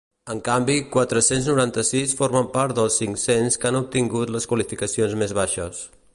En canvi, quatre-cents noranta-sis formen part dels cinc-cents que han obtingut les qualificacions més baixes.